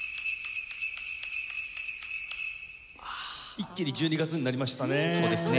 一気に１２月になりましたね。